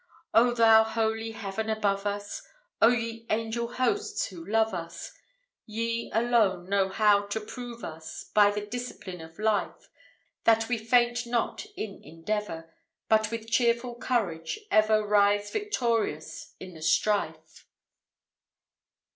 O thou holy Heaven above us! O ye angel hosts who love us! Ye alone know how to prove us, By the discipline of life, That we faint not in endeavor, But with cheerful courage ever Rise victorious in the strife.